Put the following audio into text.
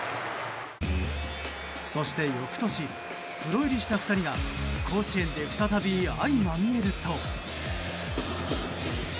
そして翌年、プロ入りした２人が甲子園で再び相まみえると。